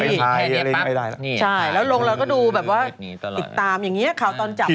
เอามือบางไว้อย่างนี้